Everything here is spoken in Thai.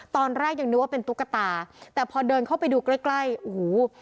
ตอนแรกยังนึกว่าเป็นตุ๊กตาแต่พอเดินเข้าไปดูใกล้ใกล้โอ้โห